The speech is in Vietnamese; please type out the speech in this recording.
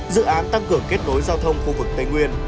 dự án tăng cường kết nối giao thông khu vực tây nguyên